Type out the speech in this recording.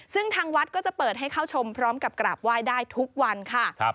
ซึ่งทางวัดก็จะเปิดให้เข้าชมพร้อมกับกราบไหว้ได้ทุกวันค่ะ